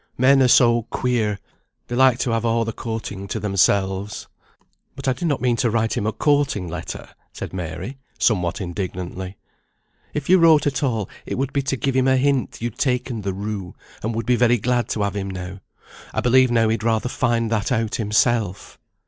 Men are so queer, they like to have a' the courting to themselves." "But I did not mean to write him a courting letter," said Mary, somewhat indignantly. "If you wrote at all, it would be to give him a hint you'd taken the rue, and would be very glad to have him now. I believe now he'd rather find that out himself."